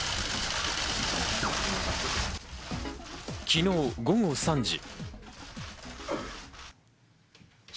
昨日、午後３時。